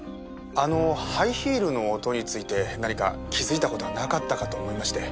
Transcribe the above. あのハイヒールの音について何か気づいた事はなかったかと思いまして。